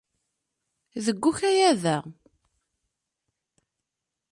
Deg ukayad-a.